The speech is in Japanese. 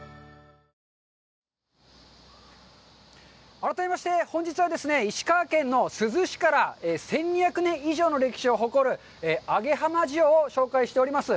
改めまして本日はですね、石川県の珠洲市から、１２００年以上の歴史を誇る揚げ浜塩を紹介しております。